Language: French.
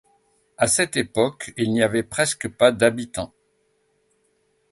À cette époque, il n'y avait presque pas d'habitants.